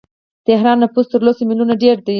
د تهران نفوس تر لس میلیونه ډیر دی.